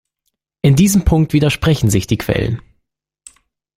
In diesem Punkt widersprechen sich die Quellen.